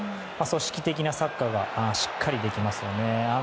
組織的なサッカーがしっかりできますよね。